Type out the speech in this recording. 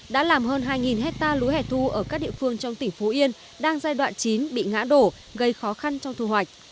đã làm hơn hai hectare lúa hẻ thu ở các địa phương trong tỉnh phú yên đang giai đoạn chín bị ngã đổ gây khó khăn trong thu hoạch